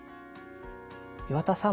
岩田さん